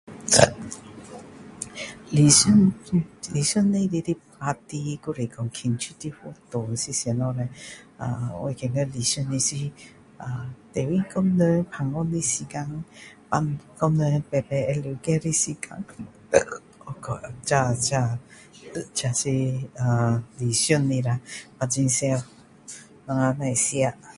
理想里面的 party 还是说庆祝的活动是什么叻啊我觉得理想的是最重要跟人谈天的时间跟人一起会了解的时间和这这这是理想的啦很常我们只是吃